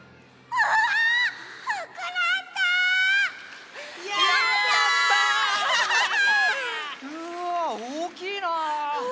うわおおきいなあ！